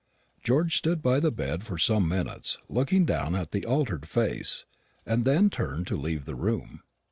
George stood by the bed for some minutes looking down at the altered face, and then turned to leave the room.